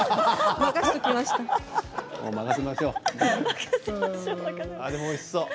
任せましょう。